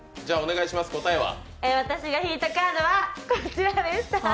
私が引いたカードはこちらでした。